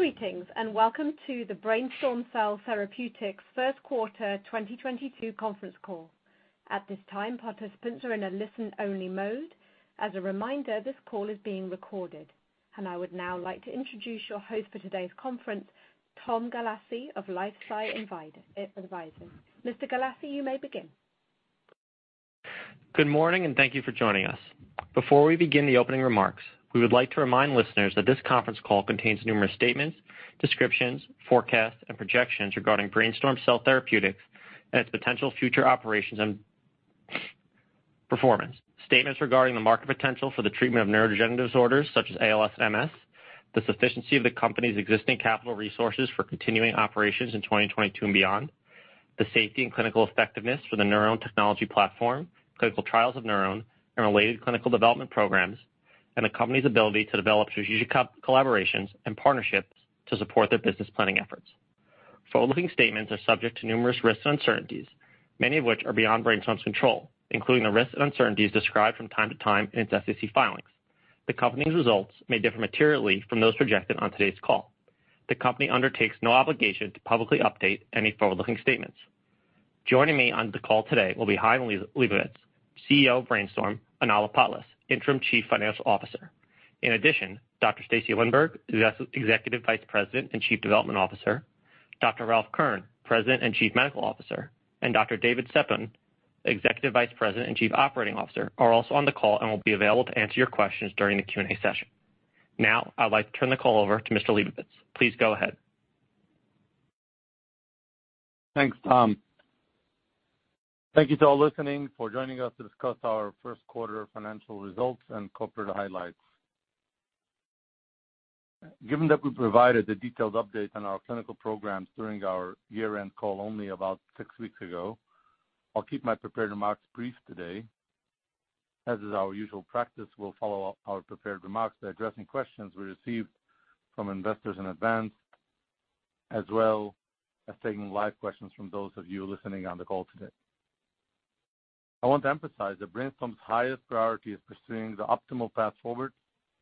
Greetings, and welcome to the BrainStorm Cell Therapeutics first quarter 2022 conference call. At this time, participants are in a listen-only mode. As a reminder, this call is being recorded. I would now like to introduce your host for today's conference, Tom Galassi of LifeSci Advisors. Mr. Galassi, you may begin. Good morning, and thank you for joining us. Before we begin the opening remarks, we would like to remind listeners that this conference call contains numerous statements, descriptions, forecasts, and projections regarding BrainStorm Cell Therapeutics and its potential future operations and performance. Statements regarding the market potential for the treatment of neurodegenerative disorders such as ALS and MS, the sufficiency of the company's existing capital resources for continuing operations in 2022 and beyond, the safety and clinical effectiveness for the NurOwn technology platform, clinical trials of NurOwn, and related clinical development programs, and the company's ability to develop strategic collaborations and partnerships to support their business planning efforts. Forward-looking statements are subject to numerous risks and uncertainties, many of which are beyond BrainStorm's control, including the risks and uncertainties described from time to time in its SEC filings. The company's results may differ materially from those projected on today's call. The company undertakes no obligation to publicly update any forward-looking statements. Joining me on the call today will be Chaim Lebovits, CEO of BrainStorm, and Alla Patlis, Interim Chief Financial Officer. In addition, Dr. Stacy Lindborg, Executive Vice President and Chief Development Officer, Dr. Ralph Kern, President and Chief Medical Officer, and Dr. David Setboun, Executive Vice President and Chief Operating Officer, are also on the call and will be available to answer your questions during the Q&A session. Now, I'd like to turn the call over to Mr. Lebovits. Please go ahead. Thanks, Tom. Thank you to all listening for joining us to discuss our first quarter financial results and corporate highlights. Given that we provided a detailed update on our clinical programs during our year-end call only about six weeks ago, I'll keep my prepared remarks brief today. As is our usual practice, we'll follow up our prepared remarks by addressing questions we received from investors in advance, as well as taking live questions from those of you listening on the call today. I want to emphasize that BrainStorm's highest priority is pursuing the optimal path forward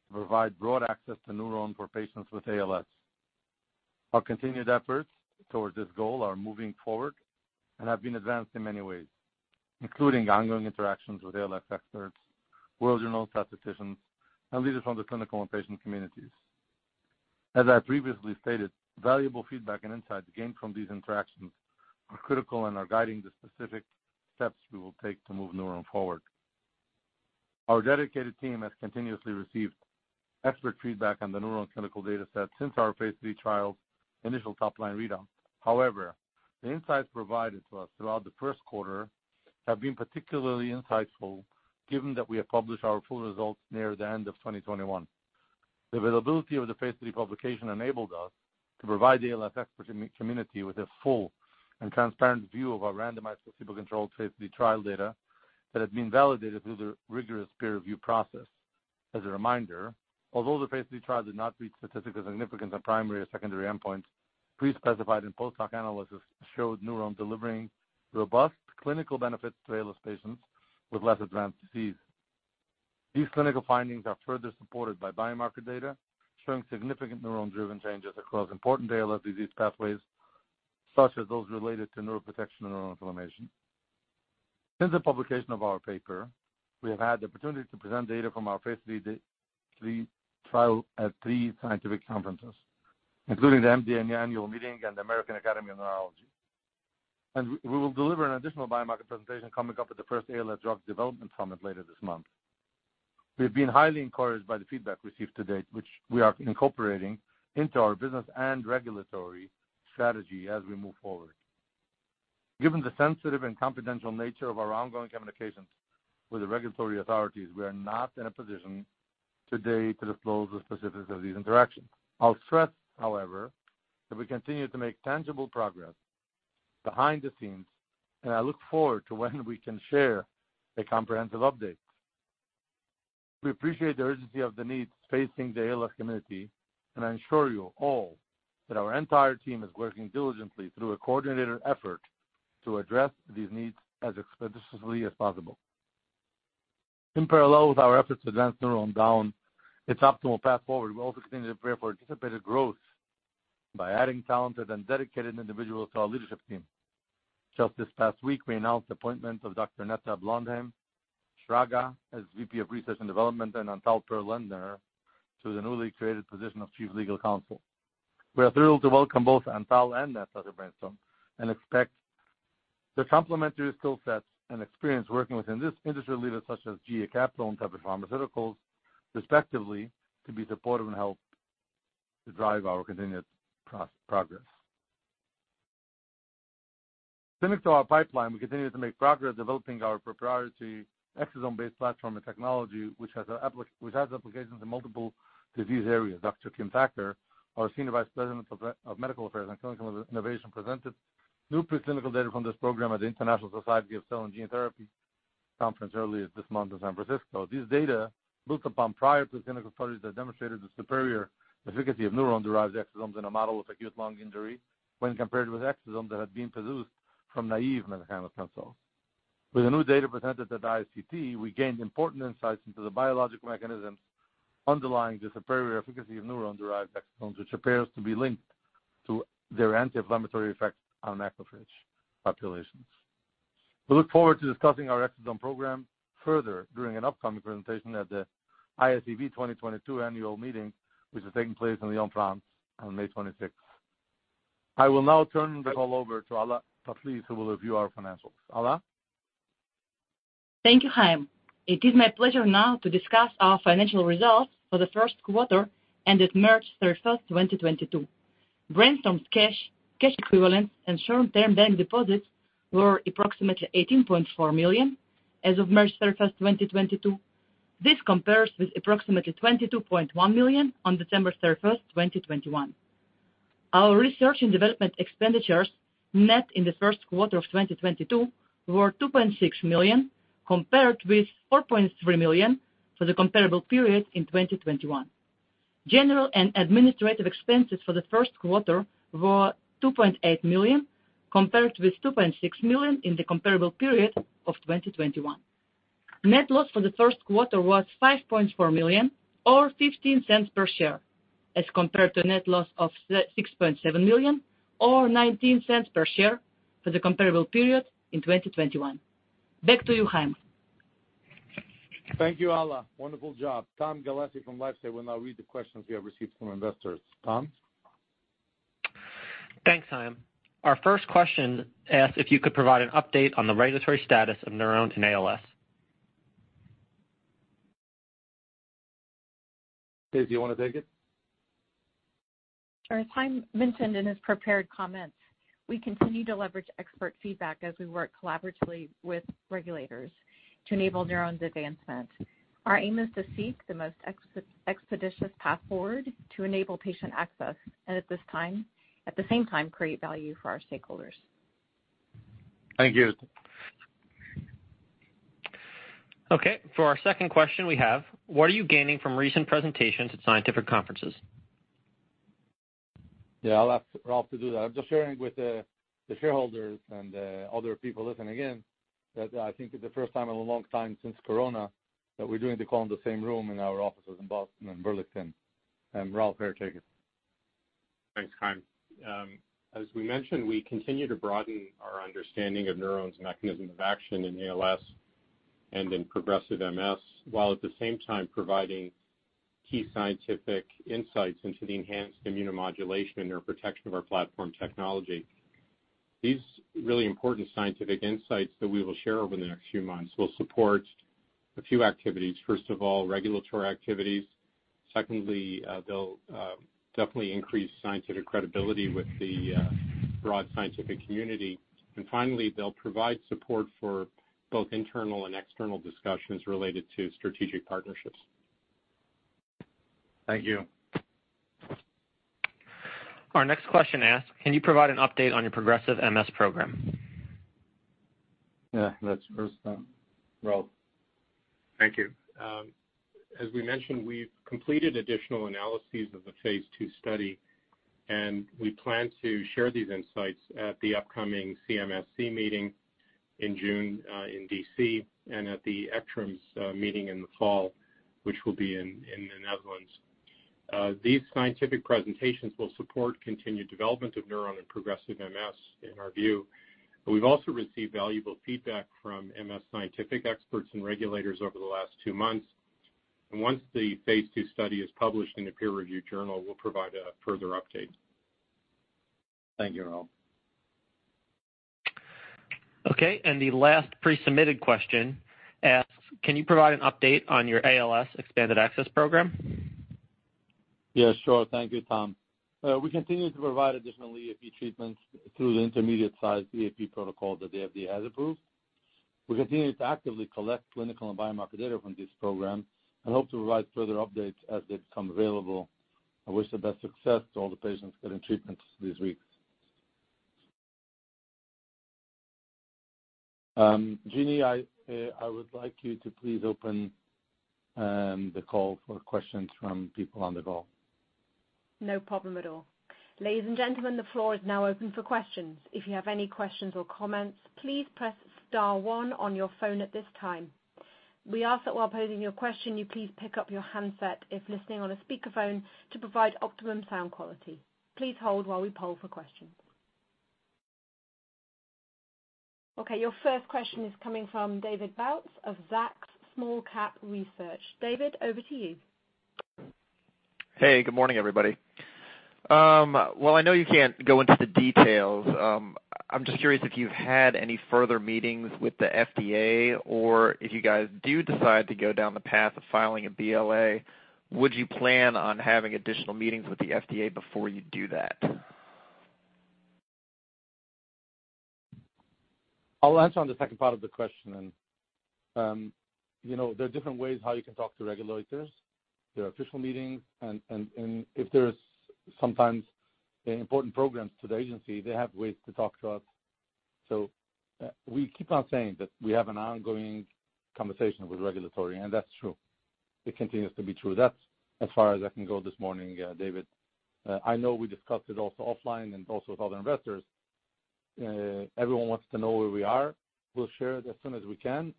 to provide broad access to NurOwn for patients with ALS. Our continued efforts towards this goal are moving forward and have been advanced in many ways, including ongoing interactions with ALS experts, world-renowned statisticians, and leaders from the clinical and patient communities. As I previously stated, valuable feedback and insights gained from these interactions are critical and are guiding the specific steps we will take to move NurOwn forward. Our dedicated team has continuously received expert feedback on the NurOwn clinical dataset since our phase III trial's initial top-line readout. However, the insights provided to us throughout the first quarter have been particularly insightful given that we have published our full results near the end of 2021. The availability of the phase III publication enabled us to provide the ALS expert community with a full and transparent view of our randomized placebo-controlled phase III trial data that had been validated through the rigorous peer review process. As a reminder, although the phase III trial did not reach statistical significance on primary or secondary endpoints, pre-specified and post-hoc analysis showed NurOwn delivering robust clinical benefits to ALS patients with less advanced disease. These clinical findings are further supported by biomarker data showing significant neuron-driven changes across important ALS disease pathways, such as those related to neuroprotection and neuroinflammation. Since the publication of our paper, we have had the opportunity to present data from our phase III trial at three scientific conferences, including the MND Annual Meeting and the American Academy of Neurology. We will deliver an additional biomarker presentation coming up at the first ALS Drug Development Summit later this month. We've been highly encouraged by the feedback received to date, which we are incorporating into our business and regulatory strategy as we move forward. Given the sensitive and confidential nature of our ongoing communications with the regulatory authorities, we are not in a position today to disclose the specifics of these interactions. I'll stress, however, that we continue to make tangible progress behind the scenes, and I look forward to when we can share a comprehensive update. We appreciate the urgency of the needs facing the ALS community, and I assure you all that our entire team is working diligently through a coordinated effort to address these needs as expeditiously as possible. In parallel with our efforts to advance NurOwn down its optimal path forward, we also continue to prepare for anticipated growth by adding talented and dedicated individuals to our leadership team. Just this past week, we announced the appointment of Dr. Netta Blondheim-Shraga as VP of Research and Development and Antal Pearl-Lendner to the newly created position of Chief Legal Counsel. We are thrilled to welcome both Antal and Netta to BrainStorm and expect their complementary skill sets and experience working within this industry leaders such as GA Capital and Teva Pharmaceuticals respectively, to be supportive and help to drive our continued progress. Similar to our pipeline, we continue to make progress developing our proprietary exosome-based platform and technology, which has applications in multiple disease areas. Dr. Kim Thacker, our Senior Vice President of Medical Affairs and Clinical Innovation, presented new preclinical data from this program at the International Society for Cell & Gene Therapy conference earlier this month in San Francisco. This data built upon prior preclinical studies that demonstrated the superior efficacy of neuron-derived exosomes in a model of acute lung injury when compared with exosomes that had been produced from naive mesenchymal cells. With the new data presented at ISCT, we gained important insights into the biological mechanisms underlying the superior efficacy of neuron-derived exosomes, which appears to be linked to their anti-inflammatory effects on macrophage populations. We look forward to discussing our exosome program further during an upcoming presentation at the ISCT 2022 annual meeting, which is taking place in Lyon, France, on May twenty-sixth. I will now turn the call over to Alla Patlis, who will review our financials. Alla? Thank you, Chaim. It is my pleasure now to discuss our financial results for the first quarter ended March 31, 2022. BrainStorm's cash equivalents and short-term bank deposits were approximately $18.4 million as of March 31, 2022. This compares with approximately $22.1 million on December 31, 2021. Our research and development expenditures net in the first quarter of 2022 were $2.6 million, compared with $4.3 million for the comparable period in 2021. General and administrative expenses for the first quarter were $2.8 million, compared with $2.6 million in the comparable period of 2021. Net loss for the first quarter was $5.4 million or $0.15 per share, as compared to net loss of $6.7 million or $0.19 per share for the comparable period in 2021. Back to you, Chaim. Thank you, Alla. Wonderful job. Tom Galassi from LifeSci will now read the questions we have received from investors. Tom? Thanks, Chaim. Our first question asks if you could provide an update on the regulatory status of NurOwn in ALS. Stacy, do you wanna take it? As Chaim mentioned in his prepared comments, we continue to leverage expert feedback as we work collaboratively with regulators to enable NurOwn's advancement. Our aim is to seek the most expeditious path forward to enable patient access, and at the same time, create value for our stakeholders. Thank you. Okay. For our second question, we have, what are you gaining from recent presentations at scientific conferences? Yeah, I'll ask Ralph to do that. I'm just sharing with the shareholders and other people listening in that I think it's the first time in a long time since Corona that we're doing the call in the same room in our offices in Boston and Burlington. Ralph, here, take it. Thanks, Chaim. As we mentioned, we continue to broaden our understanding of NurOwn's mechanism of action in ALS and in progressive MS, while at the same time providing key scientific insights into the enhanced immunomodulation and neuroprotection of our platform technology. These really important scientific insights that we will share over the next few months will support a few activities. First of all, regulatory activities. Secondly, they'll definitely increase scientific credibility with the broad scientific community. Finally, they'll provide support for both internal and external discussions related to strategic partnerships. Thank you. Our next question asks, can you provide an update on your progressive MS program? Yeah, that's for Ralph. Thank you. As we mentioned, we've completed additional analyses of the phase two study, and we plan to share these insights at the upcoming CMSC meeting in June in D.C. and at the ECTRIMS meeting in the fall, which will be in the Netherlands. These scientific presentations will support continued development of NurOwn and progressive MS in our view, but we've also received valuable feedback from MS scientific experts and regulators over the last two months. Once the phase two study is published in a peer review journal, we'll provide a further update. Thank you, Ralph. Okay, the last pre-submitted question asks, can you provide an update on your ALS expanded access program? Yeah, sure. Thank you, Tom. We continue to provide additional EAP treatments through the intermediate-sized EAP protocol that the FDA has approved. We continue to actively collect clinical and biomarker data from this program and hope to provide further updates as they become available. I wish the best success to all the patients getting treatment these weeks. Jeannie, I would like you to please open the call for questions from people on the call. No problem at all. Ladies and gentlemen, the floor is now open for questions. If you have any questions or comments, please press star one on your phone at this time. We ask that while posing your question, you please pick up your handset if listening on a speakerphone to provide optimum sound quality. Please hold while we poll for questions. Okay, your first question is coming from David Bautz of Zacks Small-Cap Research. David, over to you. Hey, good morning, everybody. While I know you can't go into the details, I'm just curious if you've had any further meetings with the FDA, or if you guys do decide to go down the path of filing a BLA, would you plan on having additional meetings with the FDA before you do that? I'll answer on the second part of the question, you know, there are different ways how you can talk to regulators. There are official meetings and if there are sometimes important programs to the agency, they have ways to talk to us. We keep on saying that we have an ongoing conversation with regulators, and that's true. It continues to be true. That's as far as I can go this morning, David. I know we discussed it also offline and also with other investors. Everyone wants to know where we are. We'll share it as soon as we can.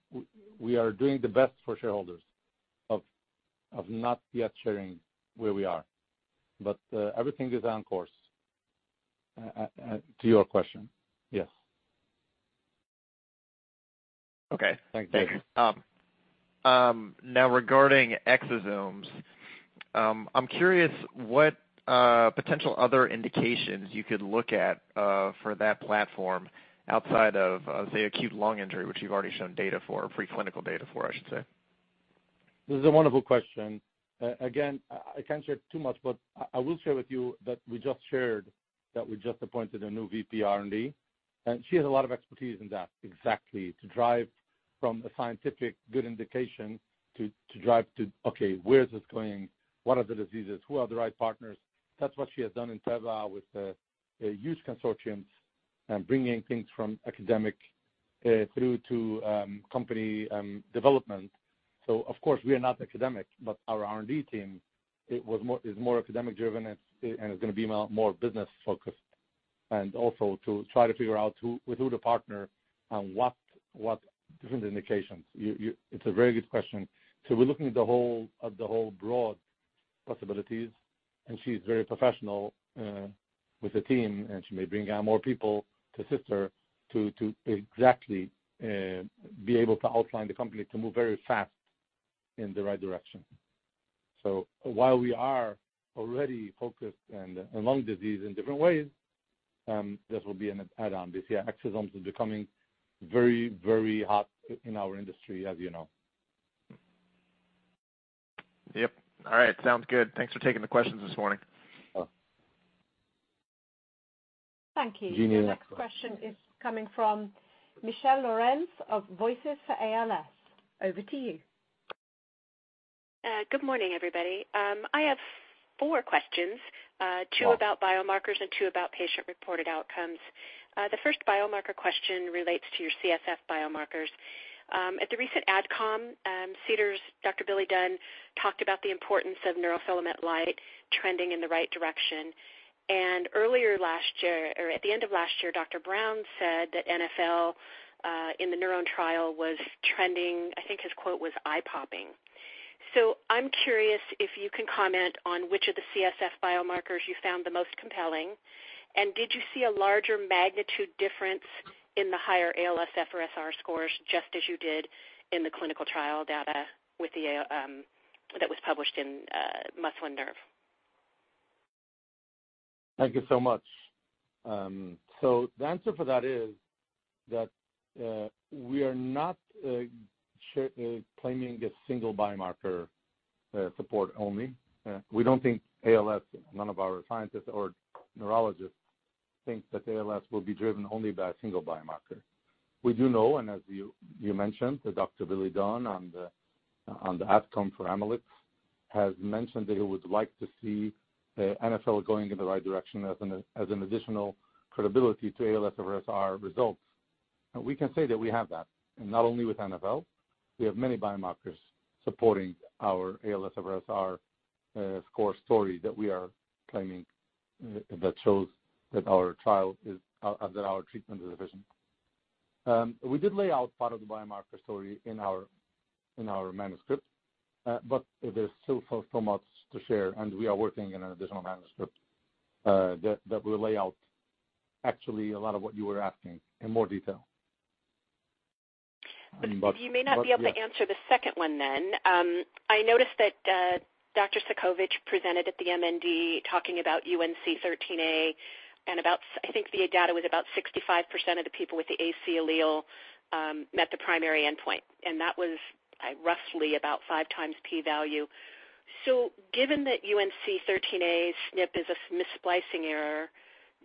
We are doing the best for shareholders of not yet sharing where we are. Everything is on course, to your question, yes. Okay. Thank you. Thanks. Now regarding exosomes, I'm curious what potential other indications you could look at for that platform outside of, say, acute lung injury, which you've already shown preclinical data for, I should say. This is a wonderful question. Again, I can't share too much, but I will share with you that we just shared that we just appointed a new VP R&D, and she has a lot of expertise in that exactly to drive from a scientific good indication to drive to, okay, where is this going? What are the diseases? Who are the right partners? That's what she has done in Teva with a huge consortium,, bringing things from academic through to company development. Of course, we are not academic, but our R&D team is more academic driven and it's gonna be more business focused. Also to try to figure out with who to partner and what different indications. It's a very good question. We're looking at the whole broad possibilities, and she's very professional with the team, and she may bring on more people to assist her to exactly be able to outline the company to move very fast in the right direction. While we are already focused in lung disease in different ways, this will be an add-on. Yeah, exosomes is becoming very, very hot in our industry, as you know. Yep. All right. Sounds good. Thanks for taking the questions this morning. Sure. Thank you. Jeannie, next one. Your next question is coming from Michelle Lorenz of Voice of ALS. Over to you. Good morning, everybody. I have four questions. Wow. Two about biomarkers and two about patient-reported outcomes. The first biomarker question relates to your CSF biomarkers. At the recent ADCOM, Dr. Billy Dunn talked about the importance of neurofilament light trending in the right direction. Earlier last year, or at the end of last year, Dr. Brown said that NfL in the NurOwn trial was trending. I think his quote was eye-popping. I'm curious if you can comment on which of the CSF biomarkers you found the most compelling. Did you see a larger magnitude difference in the higher ALSFRS-R scores, just as you did in the clinical trial data that was published in Muscle & Nerve? Thank you so much. The answer for that is that we are not claiming a single biomarker support only. We don't think ALS, none of our scientists or neurologists think that ALS will be driven only by a single biomarker. We do know, and as you mentioned, that Dr. Billy Dunn on the outcome for Amylyx has mentioned that he would like to see NfL going in the right direction as an additional credibility to ALSFRS-R results. We can say that we have that, and not only with NfL. We have many biomarkers supporting our ALSFRS-R score story that we are claiming that shows that our treatment is efficient. We did lay out part of the biomarker story in our manuscript, but there's still so much to share, and we are working on an additional manuscript that will lay out actually a lot of what you were asking in more detail. You may not be able to answer the second one then. I noticed that, Dr. Setboun presented at the MND talking about UNC13A and about I think the data was about 65% of the people with the AC allele, met the primary endpoint, and that was, roughly about five times p-value. Given that UNC13A SNP is a missplicing error,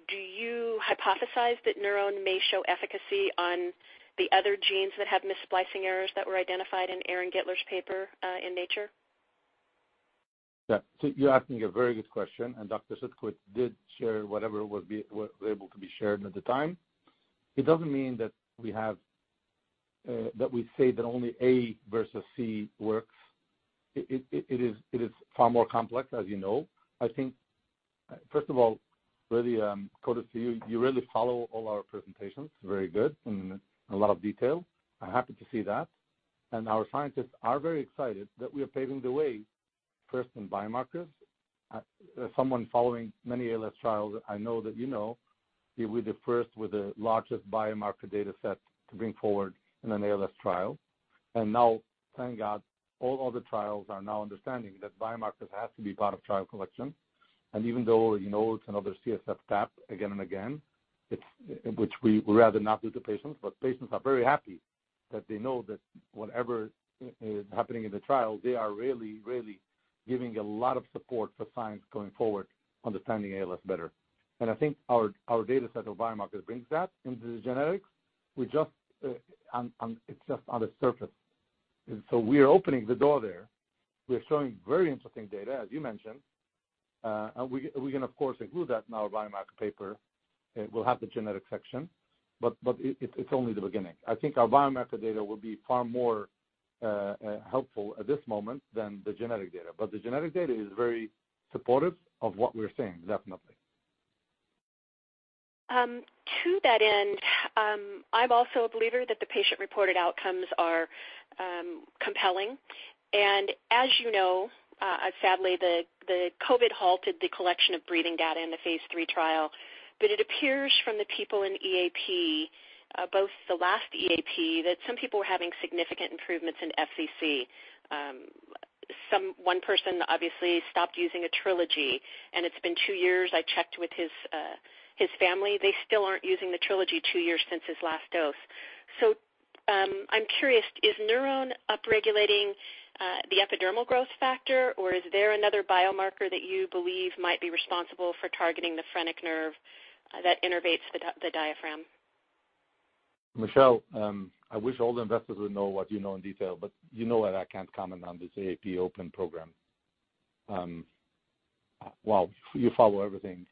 do you hypothesize that NurOwn may show efficacy on the other genes that have missplicing errors that were identified in Aaron Gitler's paper, in Nature? Yeah. You're asking a very good question, and Dr. Sutkovich did share whatever was able to be shared at the time. It doesn't mean that we have, that we say that only A versus C works. It is far more complex, as you know. I think, first of all, really, kudos to you. You really follow all our presentations very good and a lot of detail. I'm happy to see that. Our scientists are very excited that we are paving the way first in biomarkers. As someone following many ALS trials, I know that you know we're the first with the largest biomarker data set to bring forward in an ALS trial. Now, thank God, all other trials are now understanding that biomarkers have to be part of trial collection. Even though you know it's another CSF tap again and again, it's which we would rather not do to patients, but patients are very happy that they know that whatever is happening in the trial, they are really, really giving a lot of support for science going forward understanding ALS better. I think our data set of biomarkers brings that into the genetics. It's just on the surface. We are opening the door there. We're showing very interesting data, as you mentioned. We can of course include that in our biomarker paper. It will have the genetic section, but it's only the beginning. I think our biomarker data will be far more helpful at this moment than the genetic data. The genetic data is very supportive of what we're saying. Definitely. To that end, I'm also a believer that the patient-reported outcomes are compelling. As you know, sadly, the COVID halted the collection of breathing data in the phase III trial, but it appears from the people in EAP, both the last EAP, that some people were having significant improvements in FVC. One person obviously stopped using a Trilogy, and it's been two years. I checked with his family. They still aren't using the Trilogy two years since his last dose. I'm curious, is NurOwn upregulating the epidermal growth factor, or is there another biomarker that you believe might be responsible for targeting the phrenic nerve that innervates the diaphragm? Michelle, I wish all the investors would know what you know in detail, but you know that I can't comment on this EAP open program. Wow, you follow everything.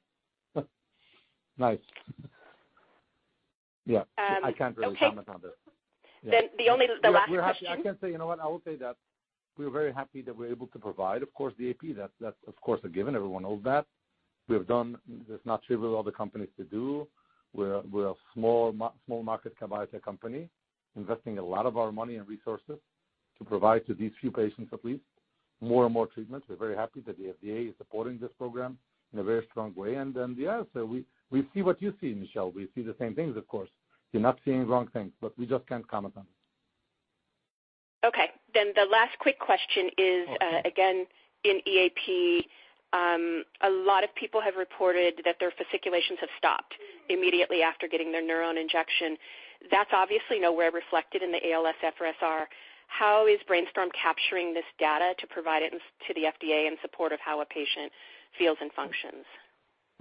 Nice. Yeah. Okay. I can't really comment on that. Yeah. the last question. We're happy. I can say, you know what? I will say that we're very happy that we're able to provide, of course, the EAP. That's of course a given. Everyone knows that. We have done what's not trivial to other companies to do. We're a small market cap biotech company investing a lot of our money and resources to provide to these few patients at least more and more treatments. We're very happy that the FDA is supporting this program in a very strong way. We see what you see, Michelle. We see the same things, of course. You're not seeing wrong things, but we just can't comment on them. Okay. The last quick question is. Okay. Again, in EAP, a lot of people have reported that their fasciculations have stopped immediately after getting their NurOwn injection. That's obviously nowhere reflected in the ALSFRS-R. How is Brainstorm capturing this data to provide it to the FDA in support of how a patient feels and functions?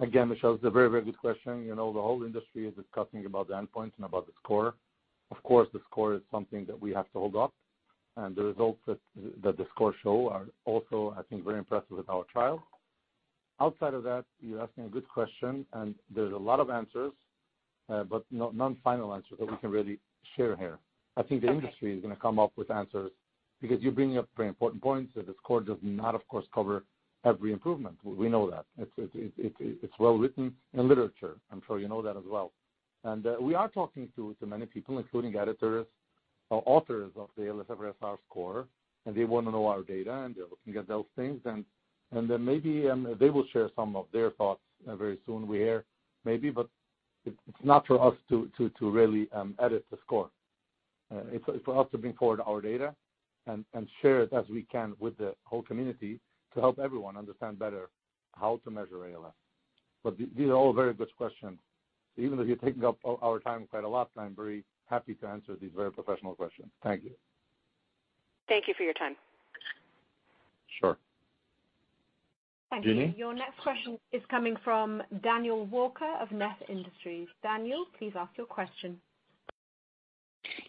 Again, Michelle, it's a very, very good question. You know, the whole industry is discussing about the endpoint and about the score. Of course, the score is something that we have to hold up, and the results that the score show are also, I think, very impressive with our trial. Outside of that, you're asking a good question, and there's a lot of answers, but none final answers that we can really share here. I think the industry is gonna come up with answers because you're bringing up very important points. The score does not, of course, cover every improvement. We know that. It's well written in literature. I'm sure you know that as well. We are talking to many people, including editors or authors of the ALSFRS-R score, and they wanna know our data, and they're looking at those things. Then maybe they will share some of their thoughts very soon. We hear maybe, but it's not for us to really edit the score. It's for us to bring forward our data and share it as we can with the whole community to help everyone understand better how to measure ALS. These are all very good questions. Even though you're taking up our time quite a lot, I'm very happy to answer these very professional questions. Thank you. Thank you for your time. Sure. Thank you. Jeannie? Your next question is coming from Daniel Walker of Neff Industries. Daniel, please ask your question.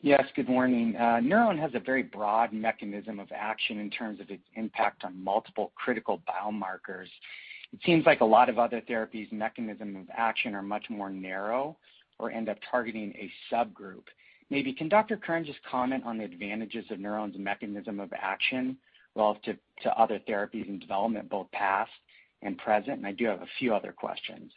Yes, good morning. NurOwn has a very broad mechanism of action in terms of its impact on multiple critical biomarkers. It seems like a lot of other therapies' mechanism of action are much more narrow or end up targeting a subgroup. Maybe can Dr. Kern just comment on the advantages of NurOwn's mechanism of action relative to other therapies in development, both past and present? I do have a few other questions.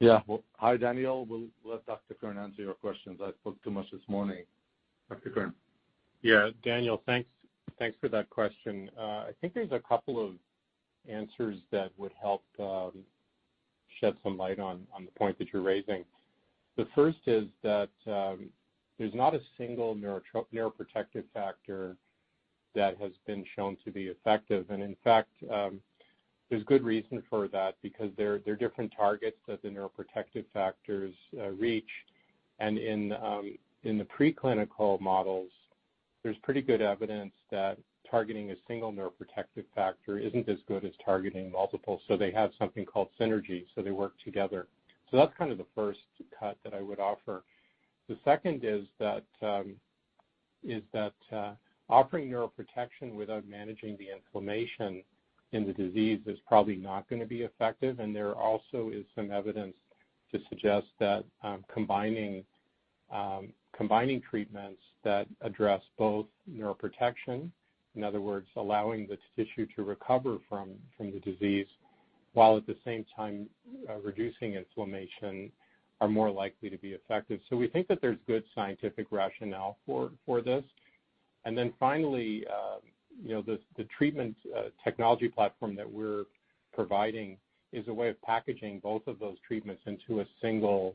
Yeah. Well, hi, Daniel. We'll let Dr. Kern answer your questions. I spoke too much this morning. Dr. Kern. Yeah. Daniel, thanks. Thanks for that question. I think there's a couple of answers that would help shed some light on the point that you're raising. The first is that there's not a single neuroprotective factor that has been shown to be effective. In fact, there's good reason for that because there are different targets that the neuroprotective factors reach. In the preclinical models, there's pretty good evidence that targeting a single neuroprotective factor isn't as good as targeting multiple. They have something called synergy, so they work together. That's kind of the first cut that I would offer. The second is that offering neuroprotection without managing the inflammation in the disease is probably not gonna be effective. There also is some evidence to suggest that combining treatments that address both neuroprotection, in other words, allowing the tissue to recover from the disease, while at the same time reducing inflammation, are more likely to be effective. We think that there's good scientific rationale for this. Finally, you know, the treatment technology platform that we're providing is a way of packaging both of those treatments into a single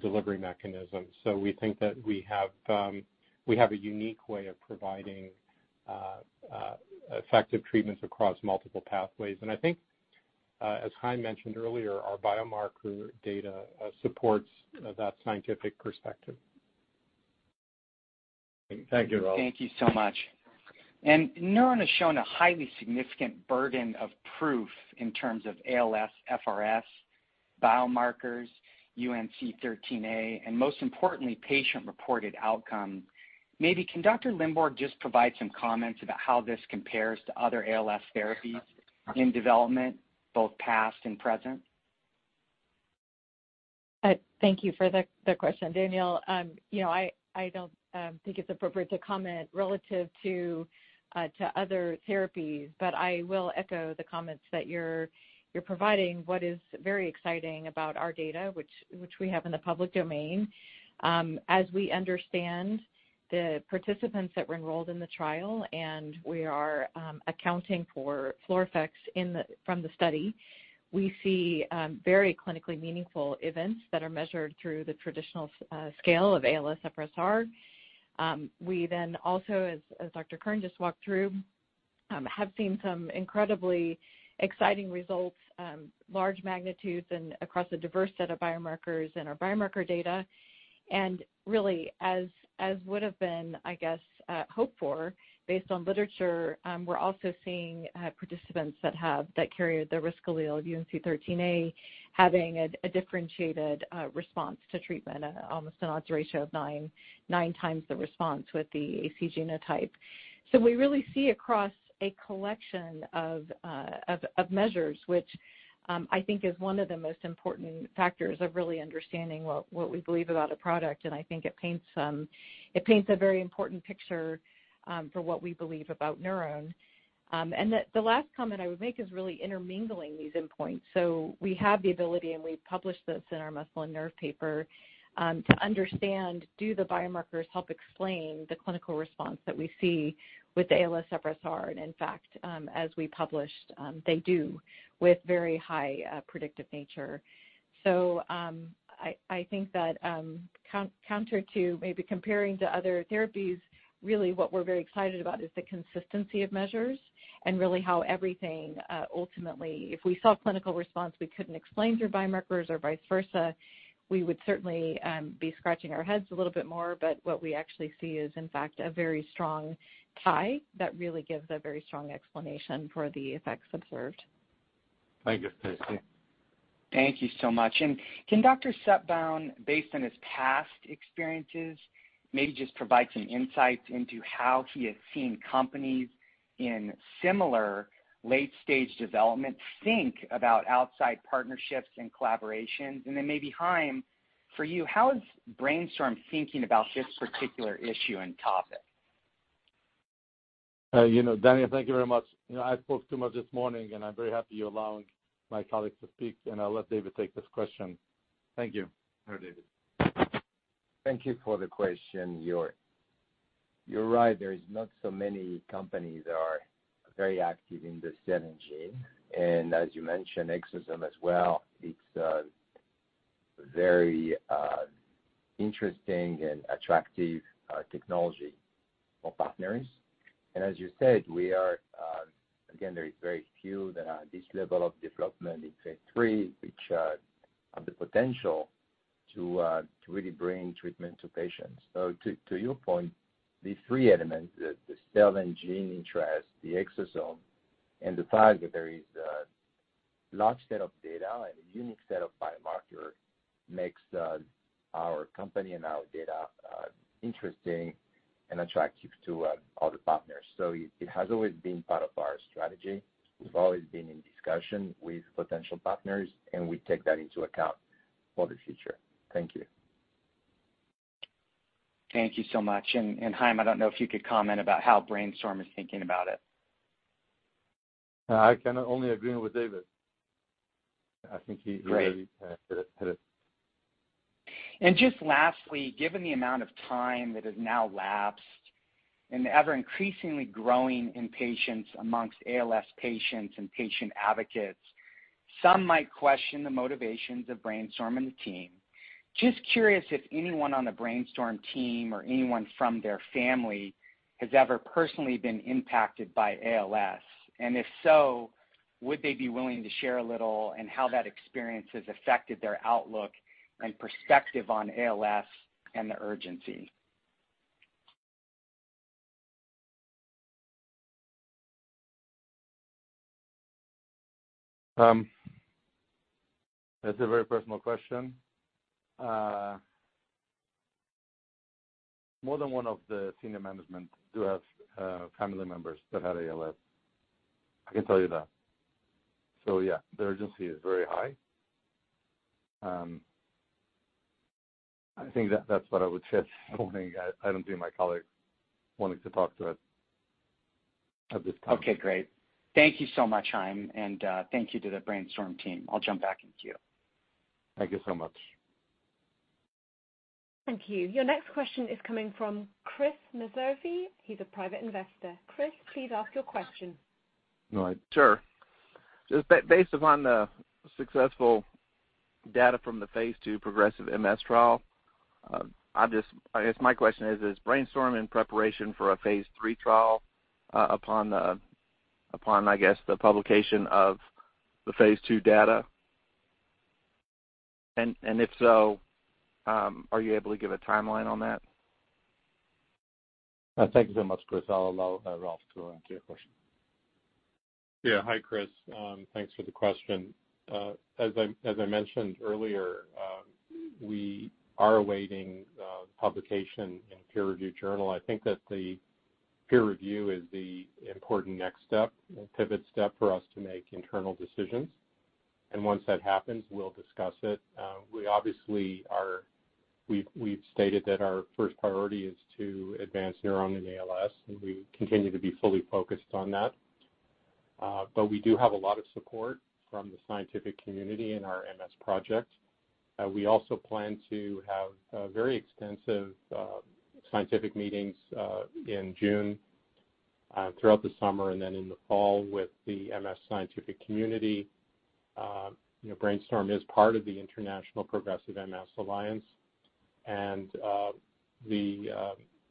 delivery mechanism. We think that we have a unique way of providing effective treatments across multiple pathways. I think as Chaim mentioned earlier, our biomarker data supports that scientific perspective. Thank you, Ralph. Thank you so much. NurOwn has shown a highly significant burden of proof in terms of ALSFRS-R biomarkers, UNC13A, and most importantly, patient-reported outcome. Maybe can Dr. Lindborg just provide some comments about how this compares to other ALS therapies in development both past and present? Thank you for the question, Daniel. You know, I don't think it's appropriate to comment relative to other therapies, but I will echo the comments that you're providing what is very exciting about our data, which we have in the public domain. As we understand the participants that were enrolled in the trial, and we are accounting for floor effects from the study, we see very clinically meaningful events that are measured through the traditional scale of ALSFRS-R. We then also, as Dr. Kern just walked through, have seen some incredibly exciting results, large magnitudes and across a diverse set of biomarkers in our biomarker data. Really, as would have been hoped for based on literature, we're also seeing participants that carry the risk allele of UNC13A having a differentiated response to treatment, almost an odds ratio of nine times the response with the AC genotype. We really see across a collection of measures, which I think is one of the most important factors of really understanding what we believe about a product, and I think it paints a very important picture for what we believe about NurOwn. The last comment I would make is really intermingling these endpoints. We have the ability, and we've published this in our Muscle & Nerve paper, to understand, do the biomarkers help explain the clinical response that we see with the ALSFRS-R? In fact, as we published, they do with very high predictive nature. I think that counter to maybe comparing to other therapies, really what we're very excited about is the consistency of measures and really how everything ultimately. If we saw clinical response we couldn't explain through biomarkers or vice versa, we would certainly be scratching our heads a little bit more. What we actually see is, in fact, a very strong tie that really gives a very strong explanation for the effects observed. Thank you, Stacy. Thank you so much. Can Dr. Setboun, based on his past experiences, maybe just provide some insights into how he has seen companies in similar late-stage development think about outside partnerships and collaborations? Maybe, Chaim, for you, how is BrainStorm thinking about this particular issue and topic? You know, Daniel, thank you very much. You know, I spoke too much this morning, and I'm very happy you're allowing my colleagues to speak, and I'll let David take this question. Thank you. Go, David. Thank you for the question. You're right, there is not so many companies that are very active in the cell and gene. As you mentioned, exosome as well, it's a very interesting and attractive technology for partners. As you said, again, there is very few that are at this level of development in phase III, which have the potential to really bring treatment to patients. To your point, these three elements, the cell and gene interest, the exosome, and the fact that there is a large set of data and a unique set of biomarkers make our company and our data interesting and attractive to other partners. It has always been part of our strategy. We've always been in discussion with potential partners, and we take that into account for the future. Thank you. Thank you so much. Chaim, I don't know if you could comment about how BrainStorm is thinking about it. I can only agree with David. I think he Great. Really hit it. Just lastly, given the amount of time that has now lapsed and the ever-increasingly growing impatience among ALS patients and patient advocates, some might question the motivations of Brainstorm and the team. Just curious if anyone on the Brainstorm team or anyone from their family has ever personally been impacted by ALS, and if so, would they be willing to share a little and how that experience has affected their outlook and perspective on ALS and the urgency? That's a very personal question. More than one of the senior management do have family members that had ALS. I can tell you that. Yeah, the urgency is very high. I think that that's what I would say this morning. I don't see my colleagues wanting to talk to it at this time. Okay, great. Thank you so much, Chaim, and thank you to the Brainstorm team. I'll jump back in queue. Thank you so much. Thank you. Your next question is coming from Chris Mazervi. He's a private investor. Chris, please ask your question. No, sure. Just based upon the successful data from the phase II, progressive MS trial, I guess my question is Brainstorm in preparation for a phase III trial upon, I guess, the publication of the phase II data? If so, are you able to give a timeline on that? Thank you so much, Chris. I'll allow Ralph to answer your question. Yeah. Hi, Chris. Thanks for the question. As I mentioned earlier, we are awaiting publication in a peer review journal. I think that the peer review is the important next step, a pivot step for us to make internal decisions. Once that happens, we'll discuss it. We obviously are. We've stated that our first priority is to advance NurOwn in ALS, and we continue to be fully focused on that. We do have a lot of support from the scientific community in our MS project. We also plan to have very extensive scientific meetings in June, throughout the summer and then in the fall with the MS scientific community. You know, BrainStorm is part of the International Progressive MS Alliance.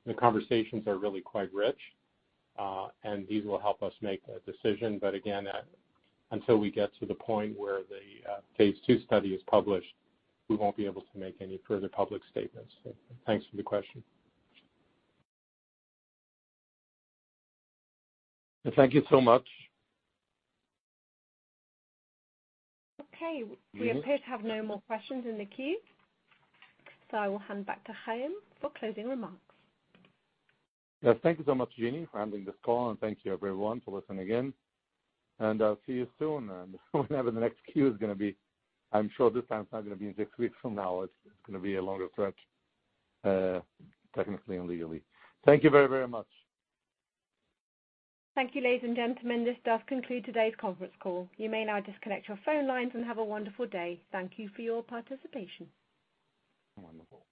The conversations are really quite rich, and these will help us make a decision. Again, until we get to the point where the phase II study is published, we won't be able to make any further public statements. Thanks for the question. Thank you so much. Okay. We appear to have no more questions in the queue, so I will hand back to Chaim for closing remarks. Yes. Thank you so much, Jeannie, for handling this call, and thank you everyone for listening again. I'll see you soon and whenever the next Q is gonna be. I'm sure this time it's not gonna be in six weeks from now. It's gonna be a longer stretch, technically and legally. Thank you very, very much. Thank you, ladies and gentlemen. This does conclude today's conference call. You may now disconnect your phone lines and have a wonderful day. Thank you for your participation. Wonderful.